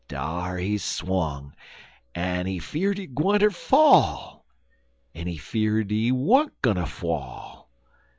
Dar he swung, en he fear'd he gwineter fall, en he fear'd he wer'n't gwineter fall.